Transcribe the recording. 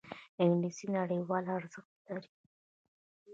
انګلیسي نړیوال ارزښت لري